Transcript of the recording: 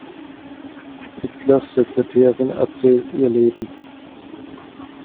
Hitlers Sekretärin erzählt ihr Leben.